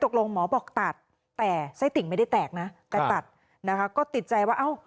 หมอบอกตัดแต่ไส้ติ่งไม่ได้แตกนะแต่ตัดนะคะก็ติดใจว่าเอ้า